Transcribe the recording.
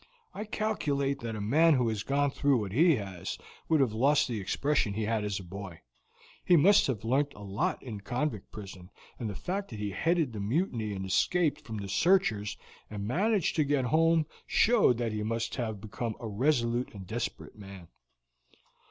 I calculate that a man who has gone through what he has would have lost the expression he had as a boy. He must have learnt a lot in the convict prison, and the fact that he headed the mutiny and escaped from the searchers and managed to get home showed that he must have become a resolute and desperate man.